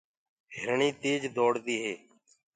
هرڻي تيج دوڙ دي هي۔